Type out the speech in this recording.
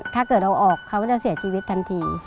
ถ้าเกิดเอาออกเขาก็จะเสียชีวิตทันที